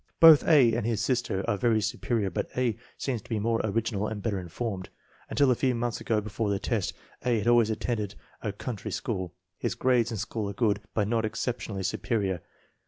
Both A. and his sister are very superior but A. seems to be more original and better informed. Until a few months before the test A. had always attended a coun try school. His grades in school are good, but not ex ceptionally superior.